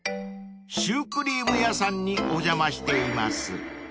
［シュークリーム屋さんにお邪魔しています］